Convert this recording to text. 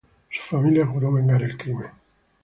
Su familia juró vengar el crimen.